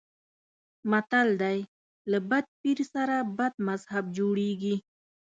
متل دی: له بد پیر سره بد مذهب جوړېږي.